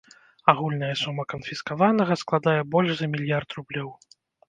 Агульная сума канфіскаванага складае больш за мільярд рублёў.